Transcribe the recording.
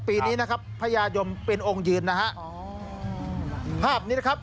ปีนี้นะครับพญายมเป็นองค์ยืนนะฮะอ๋อภาพนี้นะครับ